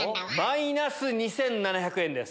マイナス２７００円です。